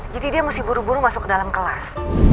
jadi dia mesti buru buru masuk ke dalam kelas